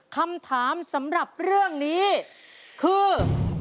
คำถามสำหรับเรื่องนี้คือ